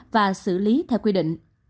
và xử lý theo quy định